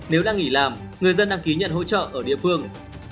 nếu đang nghỉ làm người dân đăng ký nhận hỗ trợ ở địa phương